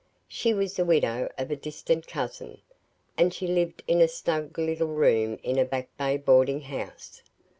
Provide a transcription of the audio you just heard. She was the widow of a distant cousin, and she lived in a snug little room in a Back Bay boarding house.